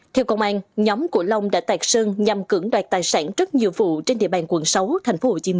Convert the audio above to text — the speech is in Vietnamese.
theo công an nhóm của long đã tạc sơn nhằm cưỡng đoạt tài sản rất nhiều vụ trên địa bàn quận sáu tp hcm